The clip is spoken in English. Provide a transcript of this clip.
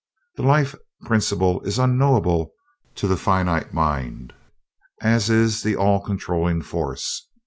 "The life principle is unknowable to the finite mind, as is the All Controlling Force.